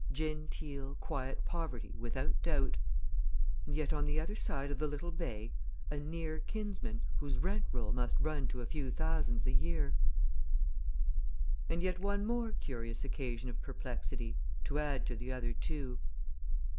Genteel, quiet poverty, without doubt and yet, on the other side of the little bay, a near kinsman whose rent roll must run to a few thousands a year! And yet one more curious occasion of perplexity to add to the other two.